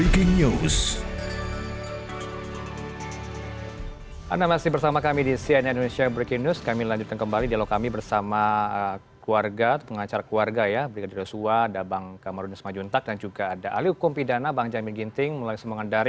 cnn indonesia breaking news